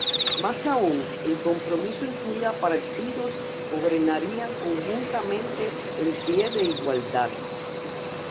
Más aún, el compromiso incluía partidos gobernarían conjuntamente en pie de igualdad.